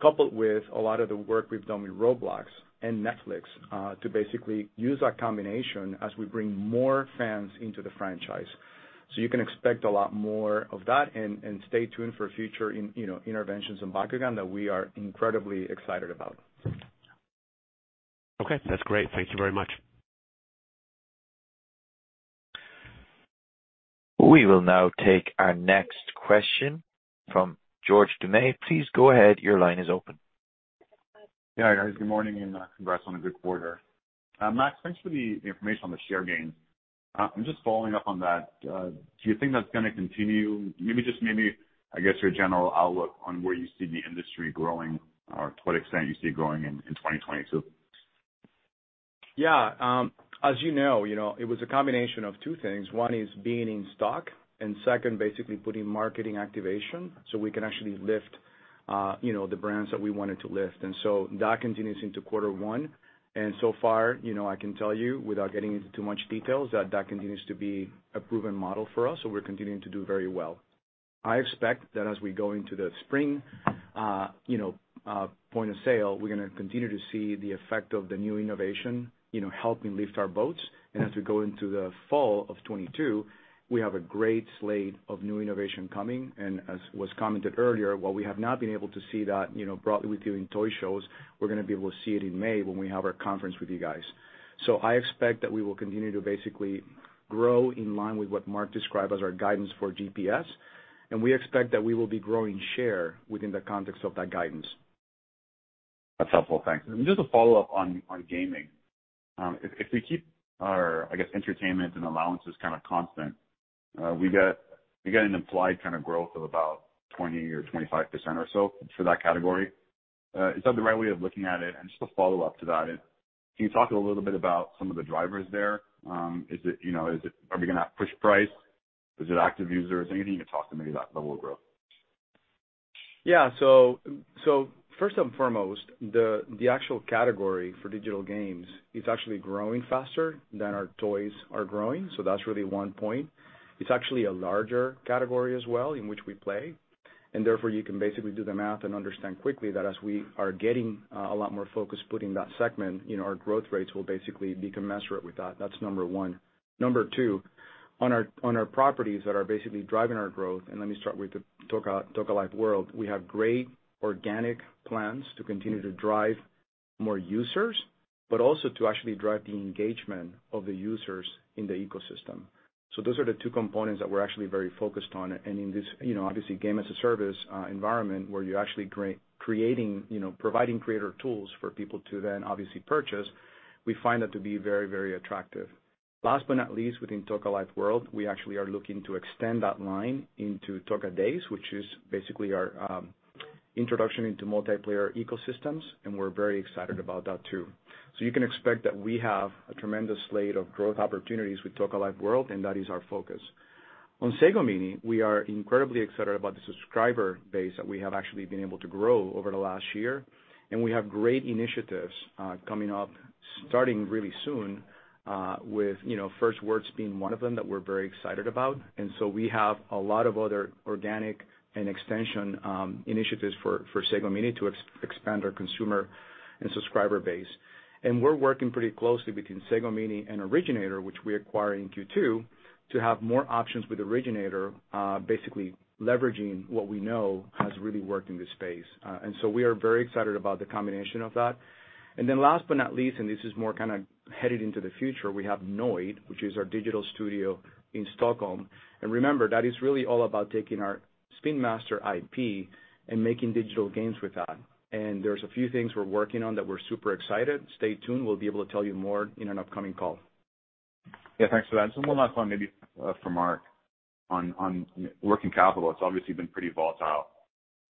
Speaker 3: coupled with a lot of the work we've done with Roblox and Netflix, to basically use that combination as we bring more fans into the franchise. You can expect a lot more of that and stay tuned for future, you know, interventions in Bakugan that we are incredibly excited about.
Speaker 7: Okay, that's great. Thank you very much.
Speaker 1: We will now take our next question from George Doumet. Please go ahead. Your line is open.
Speaker 8: Yeah, guys, good morning and congrats on a good quarter. Max, thanks for the information on the share gain. Just following up on that, do you think that's gonna continue? Maybe just maybe, I guess, your general outlook on where you see the industry growing or to what extent you see it growing in 2022.
Speaker 3: Yeah. As you know, you know, it was a combination of two things. One is being in stock, and second, basically putting marketing activation so we can actually lift, you know, the brands that we wanted to lift. That continues into quarter one. So far, you know, I can tell you, without getting into too much details, that continues to be a proven model for us, so we're continuing to do very well. I expect that as we go into the spring, you know, point of sale, we're gonna continue to see the effect of the new innovation, you know, helping lift our boats. As we go into the fall of 2022, we have a great slate of new innovation coming, and as was commented earlier, while we have not been able to see that, you know, broadly with you in toy shows, we're gonna be able to see it in May when we have our conference with you guys. I expect that we will continue to basically grow in line with what Mark described as our guidance for GPS, and we expect that we will be growing share within the context of that guidance.
Speaker 8: That's helpful. Thanks. Just a follow-up on gaming. If we keep our, I guess, entertainment and allowances kind of constant, we get an implied kind of growth of about 20% or 25% or so for that category. Is that the right way of looking at it? Just a follow-up to that, can you talk a little bit about some of the drivers there? You know, is it? Are we gonna push price? Is it active users? Anything you can talk to maybe that level of growth?
Speaker 3: First and foremost, the actual category for digital games is actually growing faster than our toys are growing, so that's really one point. It's actually a larger category as well in which we play, and therefore you can basically do the math and understand quickly that as we are getting a lot more focus putting that segment, you know, our growth rates will basically be commensurate with that. That's number one. Number two, on our properties that are basically driving our growth, and let me start with the Toca Life World, we have great organic plans to continue to drive more users, but also to actually drive the engagement of the users in the ecosystem. Those are the two components that we're actually very focused on. In this, you know, obviously, game as a service environment where you're actually creating, you know, providing greater tools for people to then obviously purchase, we find that to be very, very attractive. Last but not least, within Toca Life World, we actually are looking to extend that line into Toca Days, which is basically our introduction into multiplayer ecosystems, and we're very excited about that too. You can expect that we have a tremendous slate of growth opportunities with Toca Life World, and that is our focus. On Sago Mini, we are incredibly excited about the subscriber base that we have actually been able to grow over the last year. We have great initiatives coming up starting really soon, with, you know, First Words being one of them that we're very excited about. We have a lot of other organic and extension initiatives for Sago Mini to expand our consumer and subscriber base. We're working pretty closely between Sago Mini and Originator, which we acquire in Q2, to have more options with Originator, basically leveraging what we know has really worked in this space. We are very excited about the combination of that. Last but not least, this is more kind of headed into the future, we have Noid, which is our digital studio in Stockholm. Remember, that is really all about taking our Spin Master IP and making digital games with that. There's a few things we're working on that we're super excited. Stay tuned. We'll be able to tell you more in an upcoming call.
Speaker 8: Yeah, thanks for that. One last one maybe for Mark on working capital. It's obviously been pretty volatile.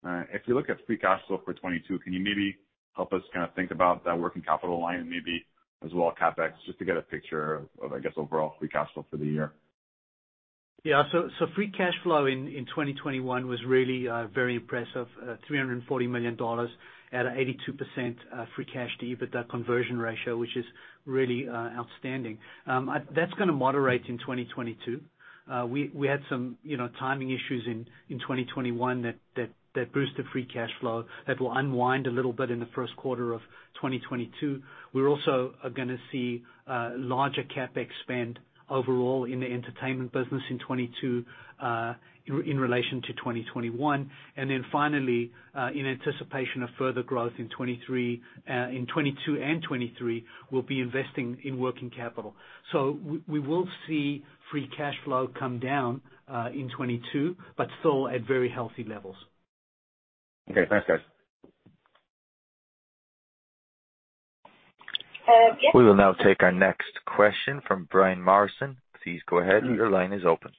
Speaker 8: If you look at free cash flow for 2022, can you maybe help us kinda think about that working capital line and maybe as well CapEx, just to get a picture of, I guess, overall free cash flow for the year?
Speaker 4: Free cash flow in 2021 was really very impressive, $340 million at an 82% free cash to EBITDA conversion ratio, which is really outstanding. That's gonna moderate in 2022. We had some, you know, timing issues in 2021 that boosted free cash flow that will unwind a little bit in the first quarter of 2022. We're also gonna see larger CapEx spend overall in the entertainment business in 2022 in relation to 2021. Finally, in anticipation of further growth in 2022 and 2023, we'll be investing in working capital. We will see free cash flow come down in 2022, but still at very healthy levels.
Speaker 8: Okay, thanks guys.
Speaker 1: We will now take our next question from Brian Morrison. Please go ahead. Your line is open.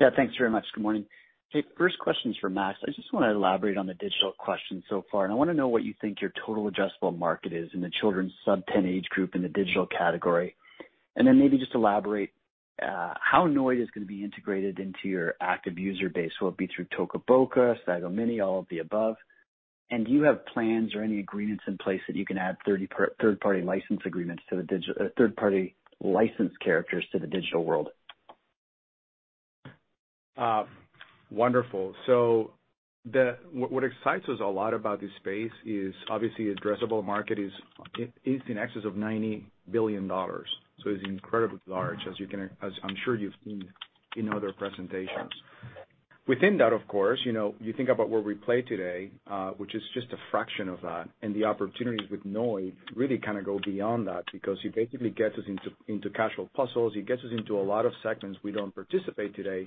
Speaker 9: Yeah, thanks very much. Good morning. Okay, first question is for Max. I just want to elaborate on the digital question so far, and I want to know what you think your total addressable market is in the children's sub-10 age group in the digital category. Maybe just elaborate how Noid is going to be integrated into your active user base. Will it be through Toca Boca, Sago Mini, all of the above? Do you have plans or any agreements in place that you can add third-party licensed characters to the digital world?
Speaker 3: What excites us a lot about this space is obviously addressable market is in excess of $90 billion. It's incredibly large, as I'm sure you've seen in other presentations. Within that, of course, you know, you think about where we play today, which is just a fraction of that. The opportunities with Noid really kind of go beyond that because it basically gets us into casual puzzles. It gets us into a lot of segments we don't participate today.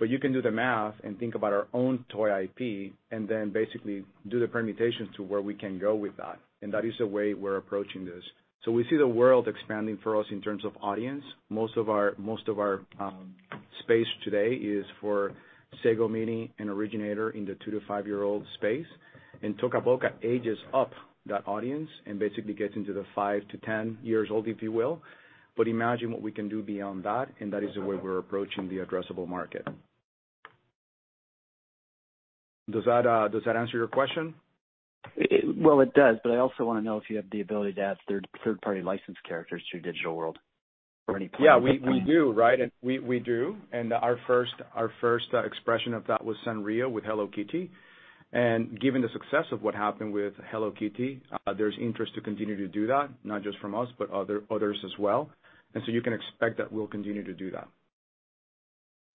Speaker 3: You can do the math and think about our own toy IP and then basically do the permutations to where we can go with that. That is the way we're approaching this. We see the world expanding for us in terms of audience. Most of our space today is for Sago Mini and Originator in the 2-5-year-old space. Toca Boca ages up that audience and basically gets into the 5-10 years old, if you will. Imagine what we can do beyond that, and that is the way we're approaching the addressable market. Does that answer your question?
Speaker 9: Well, it does, but I also want to know if you have the ability to add third-party licensed characters to your digital world or any plans at that time.
Speaker 3: Yeah, we do. Our first expression of that was Sanrio with Hello Kitty. Given the success of what happened with Hello Kitty, there's interest to continue to do that, not just from us, but others as well. You can expect that we'll continue to do that.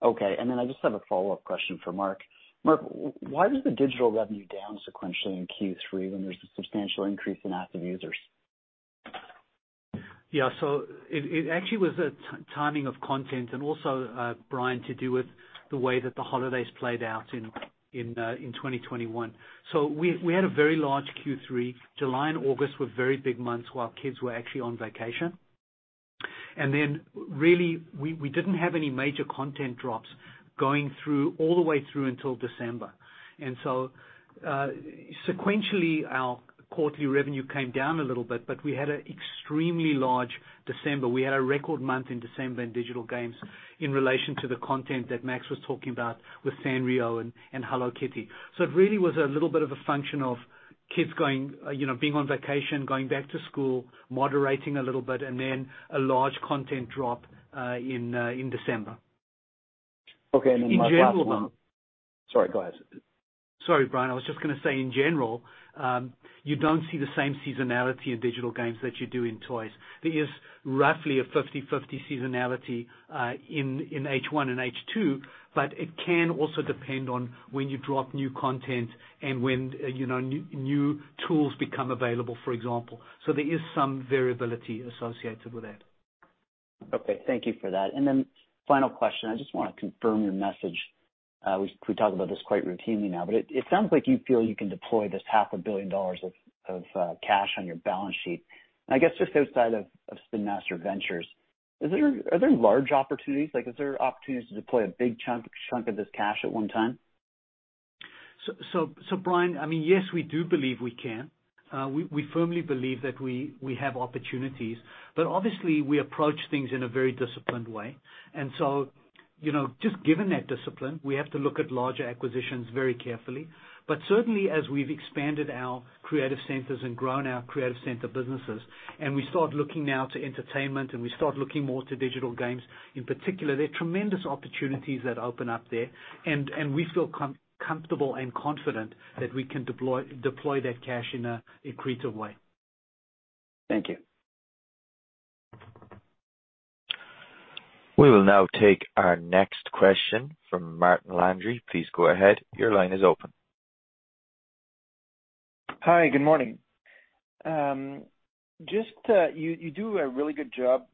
Speaker 9: Okay. I just have a follow-up question for Mark. Mark, why was the digital revenue down sequentially in Q3 when there's a substantial increase in active users?
Speaker 4: Yeah. It actually was a timing of content and also, Brian, to do with the way that the holidays played out in 2021. We had a very large Q3. July and August were very big months while kids were actually on vacation. Really, we didn't have any major content drops going through all the way through until December. Sequentially, our quarterly revenue came down a little bit, but we had an extremely large December. We had a record month in December in digital games in relation to the content that Max was talking about with Sanrio and Hello Kitty. It really was a little bit of a function of kids going, you know, being on vacation, going back to school, moderating a little bit, and then a large content drop in December.
Speaker 9: Okay. My last one.
Speaker 4: In general, though.
Speaker 9: Sorry, go ahead.
Speaker 4: Sorry, Brian. I was just gonna say in general, you don't see the same seasonality in digital games that you do in toys. There is roughly a 50/50 seasonality in H1 and H2, but it can also depend on when you drop new content and when, you know, new tools become available, for example. There is some variability associated with that.
Speaker 9: Okay, thank you for that. Final question, I just wanna confirm your message. We talk about this quite routinely now, but it sounds like you feel you can deploy this $500 million of cash on your balance sheet. I guess just outside of Spin Master Ventures, are there large opportunities? Like, is there opportunities to deploy a big chunk of this cash at one time?
Speaker 4: Brian, I mean, yes, we do believe we can. We firmly believe that we have opportunities, but obviously we approach things in a very disciplined way. You know, just given that discipline, we have to look at larger acquisitions very carefully. Certainly as we've expanded our creative centers and grown our creative center businesses, and we start looking now to entertainment and we start looking more to digital games in particular, there are tremendous opportunities that open up there. We feel comfortable and confident that we can deploy that cash in a creative way.
Speaker 9: Thank you.
Speaker 1: We will now take our next question from Martin Landry. Please go ahead. Your line is open.
Speaker 10: Hi. Good morning. Just, you do a really good job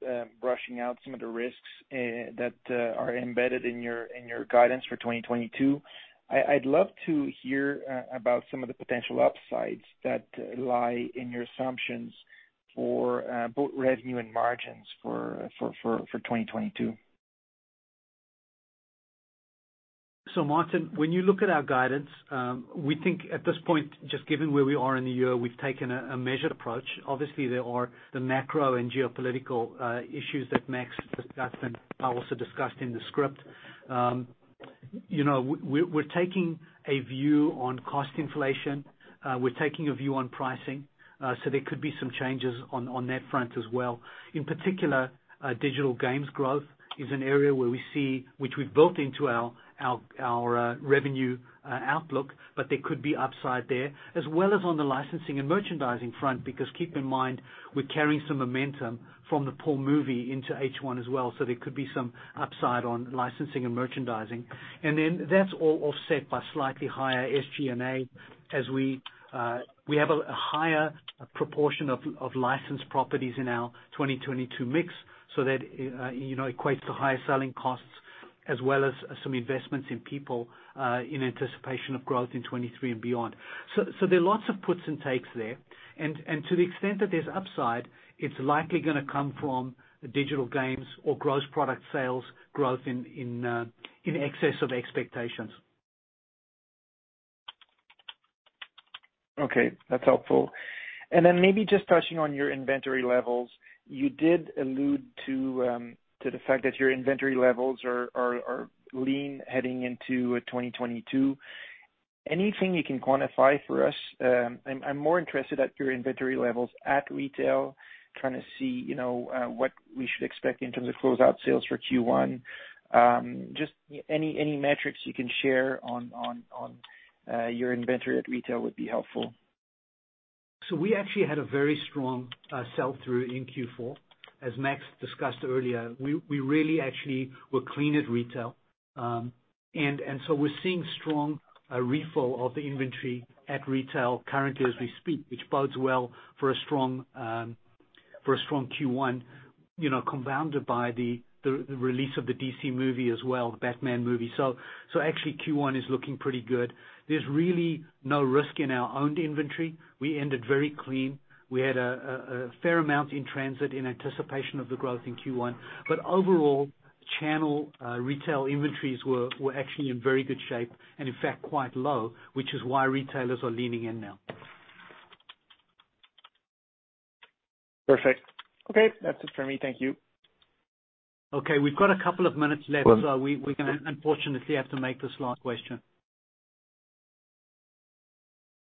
Speaker 10: brushing out some of the risks that are embedded in your guidance for 2022. I'd love to hear about some of the potential upsides that lie in your assumptions for both revenue and margins for 2022.
Speaker 4: Martin, when you look at our guidance, we think at this point, just given where we are in the year, we've taken a measured approach. Obviously there are the macro and geopolitical issues that Max just discussed and are also discussed in the script. You know, we're taking a view on cost inflation. We're taking a view on pricing. There could be some changes on that front as well. In particular, digital games growth is an area where we see which we've built into our revenue outlook, but there could be upside there, as well as on the licensing and merchandising front, because keep in mind, we're carrying some momentum from the PAW Patrol: The Movie into H1 as well. There could be some upside on licensing and merchandising. That's all offset by slightly higher SG&A as we have a higher proportion of licensed properties in our 2022 mix so that you know equates to higher selling costs as well as some investments in people in anticipation of growth in 2023 and beyond. There are lots of puts and takes there. To the extent that there's upside, it's likely gonna come from digital games or gross product sales growth in excess of expectations.
Speaker 10: Okay. That's helpful. Then maybe just touching on your inventory levels, you did allude to the fact that your inventory levels are lean heading into 2022. Anything you can quantify for us? I'm more interested in your inventory levels at retail, trying to see, you know, what we should expect in terms of closeout sales for Q1. Just any metrics you can share on your inventory at retail would be helpful.
Speaker 4: We actually had a very strong sell through in Q4. As Max discussed earlier, we really actually were clean at retail. We're seeing strong refill of the inventory at retail currently as we speak, which bodes well for a strong Q1, you know, compounded by the release of the DC movie as well, the Batman movie. Actually Q1 is looking pretty good. There's really no risk in our own inventory. We ended very clean. We had a fair amount in transit in anticipation of the growth in Q1. Overall, channel retail inventories were actually in very good shape and in fact quite low, which is why retailers are leaning in now.
Speaker 10: Perfect. Okay, that's it for me. Thank you.
Speaker 4: Okay. We've got a couple of minutes left, so we can unfortunately have to make this last question.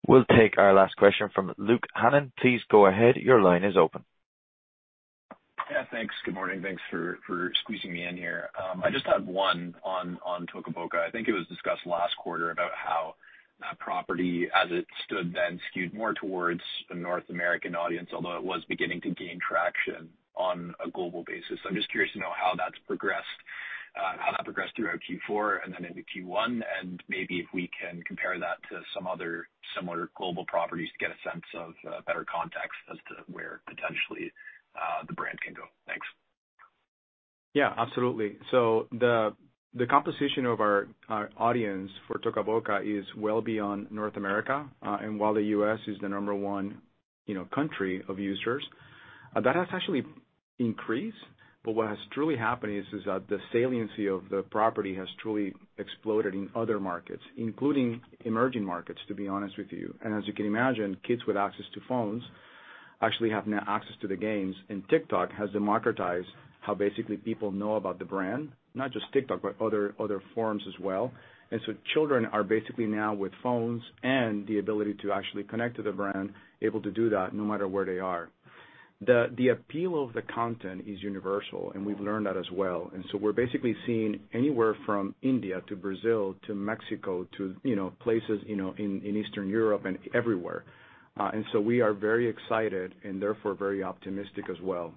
Speaker 1: We'll take our last question from Luke Hannan. Please go ahead. Your line is open.
Speaker 11: Yeah, thanks. Good morning. Thanks for squeezing me in here. I just have one on Toca Boca. I think it was discussed last quarter about how that property as it stood then skewed more towards the North American audience, although it was beginning to gain traction on a global basis. I'm just curious to know how that progressed throughout Q4 and then into Q1, and maybe if we can compare that to some other similar global properties to get a sense of better context as to where potentially the brand can go. Thanks.
Speaker 3: Yeah, absolutely. The composition of our audience for Toca Boca is well beyond North America. While the U.S. is the number one, you know, country of users, that has actually increased. What has truly happened is that the saliency of the property has truly exploded in other markets, including emerging markets, to be honest with you. As you can imagine, kids with access to phones actually have now access to the games. TikTok has democratized how basically people know about the brand, not just TikTok, but other forums as well. Children are basically now with phones and the ability to actually connect to the brand, able to do that no matter where they are. The appeal of the content is universal, and we've learned that as well. We're basically seeing anywhere from India to Brazil to Mexico to, you know, places, you know, in Eastern Europe and everywhere. We are very excited and therefore very optimistic as well.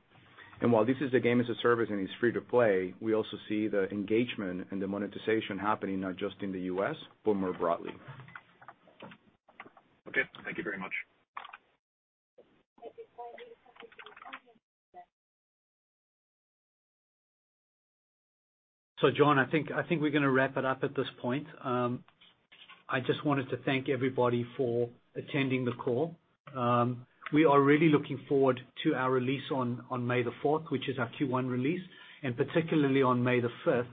Speaker 3: While this is a game as a service and it's free to play, we also see the engagement and the monetization happening not just in the U.S., but more broadly.
Speaker 11: Okay, thank you very much.
Speaker 4: John, I think we're gonna wrap it up at this point. I just wanted to thank everybody for attending the call. We are really looking forward to our release on May 4, which is our Q1 release, and particularly on May 5,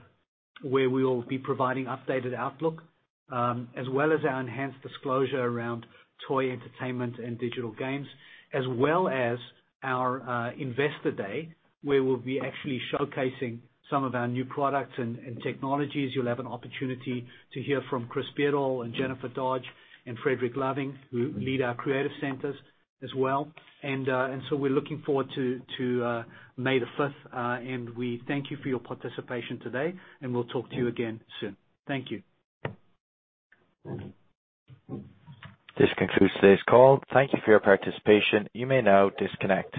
Speaker 4: where we will be providing updated outlook, as well as our enhanced disclosure around toy entertainment and digital games, as well as our investor day, where we'll be actually showcasing some of our new products and technologies. You'll have an opportunity to hear from Chris Beardall and Jennifer Dodge and Fredrik Loving, who lead our creative centers as well. We're looking forward to May 5. We thank you for your participation today, and we'll talk to you again soon. Thank you.
Speaker 1: This concludes today's call. Thank you for your participation. You may now disconnect.